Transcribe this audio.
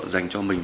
dành cho mình